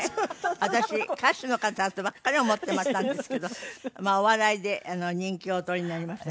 私歌手の方だとばっかり思っていましたんですけどお笑いで人気をお取りになりまして。